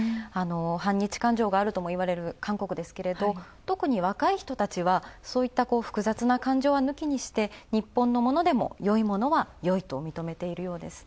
反日感情があるともいわれる韓国ですが特に若い人たちは複雑な感情は抜きにして、日本のものでも、よいと認めているようです。